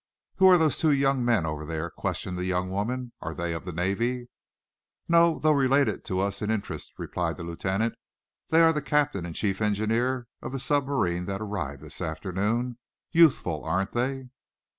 "Who are those two young men over there?" questioned the young woman. "Are they of the Navy?" "No, though related to us in interest," replied the lieutenant. "They are the captain and chief engineer of the submarine that arrived this afternoon. Youthful, aren't they?"